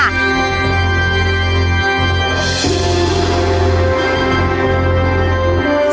นี่ค่ะ